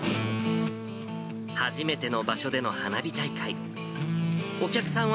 初めての場所での花火大会。